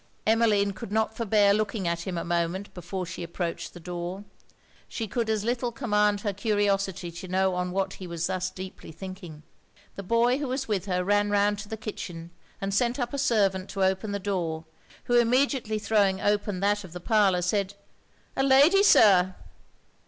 Emmeline could not forbear looking at him a moment before she approached the door. She could as little command her curiosity to know on what he was thus deeply thinking. The boy who was with her ran round to the kitchen, and sent up a servant to open the door; who immediately throwing open that of the parlour, said 'A lady, Sir!'